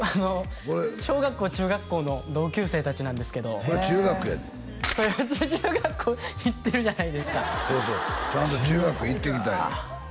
小学校中学校の同級生達なんですけどこれ中学や豊津中学校行ってるじゃないですかそうそうちゃんと中学行ってきたんよ